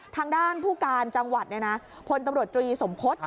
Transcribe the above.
ทางด้านผู้การจังหวัดพลตำรวจตรีสมพฤษ